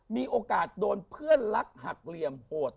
มีโอกาสโดนเพื่อนรักหักเหลี่ยมโหด